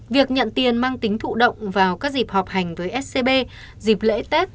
việc nhận tiền mang tính thụ động vào các dịp họp hành với scb dịp lễ tết